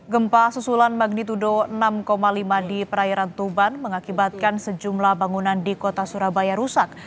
gempa susulan magnitudo enam lima di perairan tuban mengakibatkan sejumlah bangunan di kota surabaya rusak